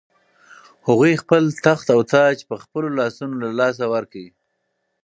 هغوی خپل تخت او تاج په خپلو لاسونو له لاسه ورکړ.